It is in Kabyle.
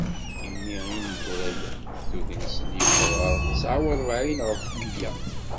Imi ineggura-a atug-nsen yewweḍ kan ɣer tesεa u rebεin ɣef mya.